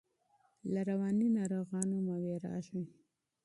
له رواني ناروغانو مه ویریږئ.